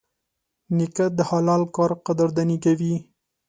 نیکه د حلال کار قدرداني کوي.